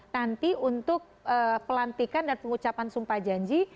nanti untuk pelantikan dan pengucapan sumpah janji